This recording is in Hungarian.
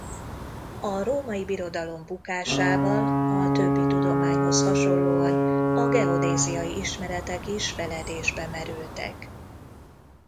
A római birodalom bukásával a többi tudományhoz hasonlóan a geodéziai ismeretek is feledésbe merültek.